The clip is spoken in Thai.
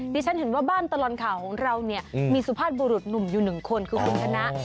ที่ฉันเห็นว่าบ้านตลอดข่าวของเราเนี่ยมีสุภาพบุรุษหนุ่มอยู่หนึ่งคนคือคุณชนะ